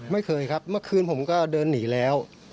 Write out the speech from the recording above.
ไม่เคยครับเมื่อคืนผมก็เดินหนีแล้ว